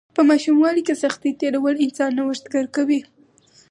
په ماشوموالي کې سختۍ تیرول انسان نوښتګر کوي.